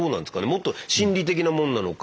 もっと心理的なもんなのか。